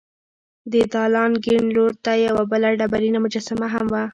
د دالان کیڼ لور ته یوه بله ډبرینه مجسمه هم وه.